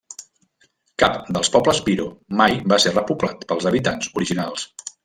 Cap dels pobles Piro mai va ser repoblat pels habitants originals.